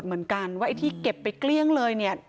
อุปกรณ์ไว้ที่เก็บไปเกลี้ยงเลยเนี่ย